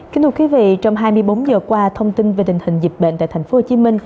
kính thưa quý vị trong hai mươi bốn giờ qua thông tin về tình hình dịch bệnh tại tp hcm